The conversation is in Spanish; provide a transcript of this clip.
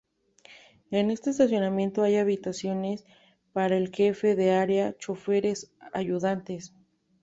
En el estacionamiento, hay habitaciones para el jefe del área, choferes, ayudantes.